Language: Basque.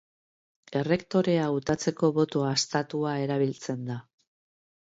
Errektorea hautatzeko boto haztatua erabiltzen da.